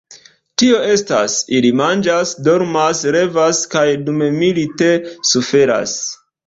Tio estas, ili manĝas, dormas, revas… kaj dummilite suferas.